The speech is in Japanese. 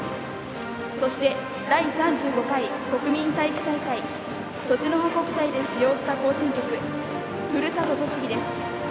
そして、第３５回国民体育大会栃の葉国体で使用した行進曲「ふるさと栃木」です。